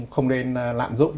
không nên lạm dụng